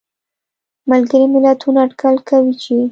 ملګري ملتونه اټکل کوي چې